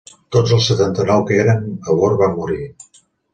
Tots els setanta-nou que eren a bord van morir.